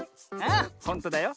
ああほんとだよ。